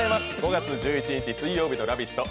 ５月１１日水曜日の「ラヴィット！」